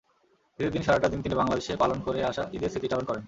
ঈদের দিন সারাটা দিন তিনি বাংলাদেশে পালন করে আসা ঈদের স্মৃতিচারণ করেন।